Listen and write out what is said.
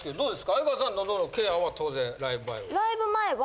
相川さん喉のケアは当然ライブ前は。